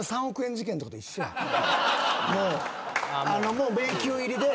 もう迷宮入りで。